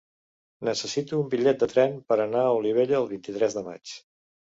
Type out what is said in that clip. Necessito un bitllet de tren per anar a Olivella el vint-i-tres de maig.